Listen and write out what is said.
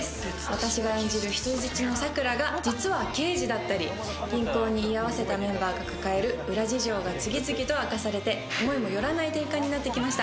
私が演じる人質のさくらが実は刑事だったり、銀行に居合わせたメンバーが抱える裏事情が次々と明かされて、思いもよらない展開になってきました。